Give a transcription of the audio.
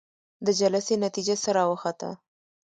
د جلسې نتيجه څه راوخته؟